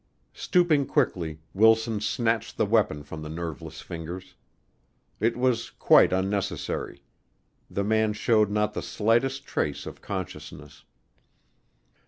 Stooping quickly, Wilson snatched the weapon from the nerveless fingers. It was quite unnecessary. The man showed not the slightest trace of consciousness.